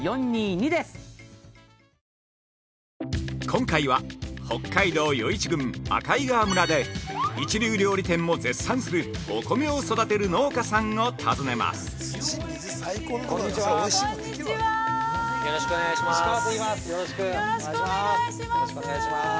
◆今回は北海道余市郡赤井川村で一流料理店も絶賛するお米を育てる農家さんを訪ねます。